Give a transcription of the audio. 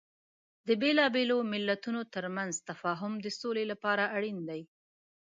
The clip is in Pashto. د بیلابیلو مليتونو ترمنځ تفاهم د سولې لپاره اړین دی.